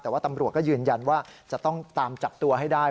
แต่ว่าตำรวจก็ยืนยันว่าจะต้องตามจับตัวให้ได้